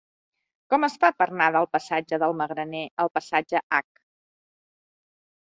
Com es fa per anar del passatge del Magraner al passatge H?